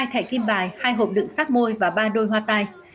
hai thẻ kim bài hai hộp đựng sát môi và ba đôi hoa tai